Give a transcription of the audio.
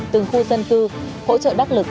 từng khu dân tư hỗ trợ đắc lực